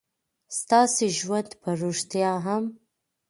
ستاسې ژوند په رښتيا هم